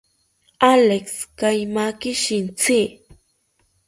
Alex, kaimaki shintzi